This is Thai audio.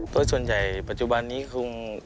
โดยสวัสดิ์ใหญ่ในปัจจุบันนี้คุณ